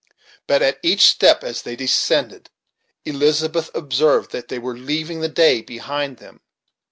But at each step as they descended, Elizabeth observed that they were leaving the day behind them.